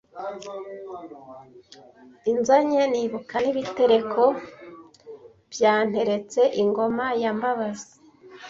Inzanye nibuka n’ibitereko bya Nteretse ingoma ya Mbabazi